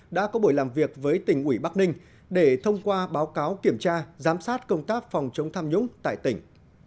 đã có buổi làm việc với tỉnh ủy bắc ninh để thông qua báo cáo kiểm tra giám sát công tác phòng chống tham nhũng tại tỉnh